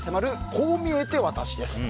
こう見えてワタシです。